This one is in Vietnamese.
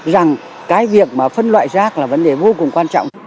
rằng cái việc mà phân loại rác là vấn đề vô cùng quan trọng